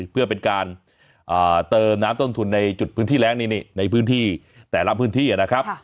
เพื่อเป็นการเติมน้ำต้นทุนในจุดพื้นที่แรงในพื้นที่แต่ละพื้นที่นะครับ